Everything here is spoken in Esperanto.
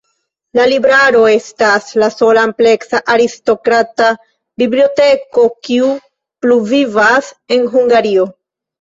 La libraro estas la sola ampleksa aristokrata biblioteko, kiu pluvivas en Hungario.